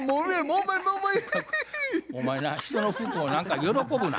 お前な人の不幸を何か喜ぶな。